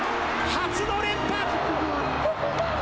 初の連覇。